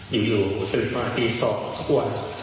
อยู่ตื่นมาตีสองทั่ว